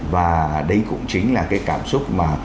và đây cũng chính là cái cảm xúc mà